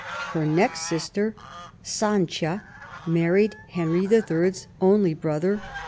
Her next sister, Sanchia, married Henry III.'s only brother.